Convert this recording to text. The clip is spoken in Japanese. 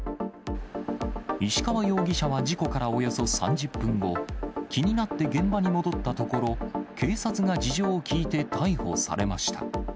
石川容疑者は事故からおよそ３０分後、気になって現場に戻ったところ、警察が事情を聴いて逮捕されました。